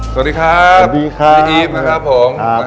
สวัสดีครับสวัสดีค่ะพี่อีฟนะครับผม